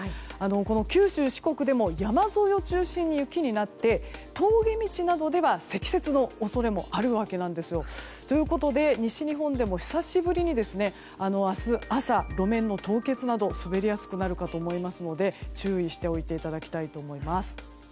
九州、四国でも山沿いを中心に雪になって峠道などでは積雪の恐れもあるわけなんですよ。ということで、西日本でも久しぶりに明日朝、路面の凍結など滑りやすくなるかと思いますので注意しておいていただきたいと思います。